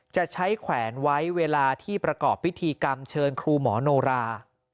จะใช้แขวนไว้เวลาที่ประกอบพิธีกรรมเชิญครูหมอโนรา